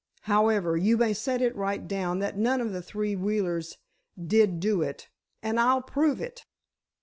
However, you may set it right down that none of the three Wheelers did do it, and I'll prove it!"